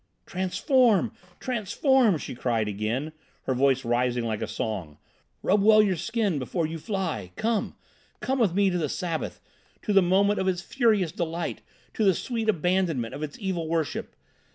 "Transform, transform!" she cried again, her voice rising like a song. "Rub well your skin before you fly. Come! Come with me to the Sabbath, to the madness of its furious delight, to the sweet abandonment of its evil worship!